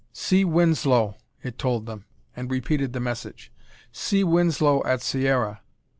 "See Winslow," it told them, and repeated the message: "See Winslow at Sierra...."